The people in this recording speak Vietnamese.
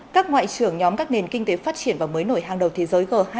các ngoại trưởng nhóm các nền kinh tế phát triển và mới nổi hàng đầu thế giới g hai mươi